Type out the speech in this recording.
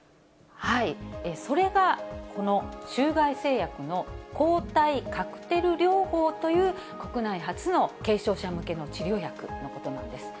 それがこの中外製薬の抗体カクテル療法という国内初の軽症者向けの治療薬のことなんです。